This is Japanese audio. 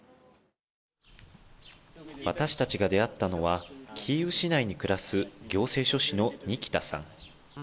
私たちが出会ったのはキーウ市内に暮らす行政書士のニキタさん。